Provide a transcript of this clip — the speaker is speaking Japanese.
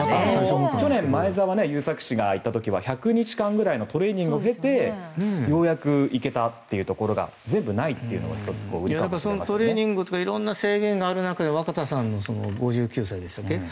去年、前澤友作氏が行った時は１００日間くらいのトレーニングを経てようやく行けたというところが全部ないというのがトレーニングとか色んな制限がある中で若田さんの５９歳でしたっけ。